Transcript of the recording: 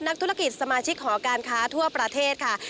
นักธุรกิจสมาชิกหอการค้าทั่วประเทศค่ะ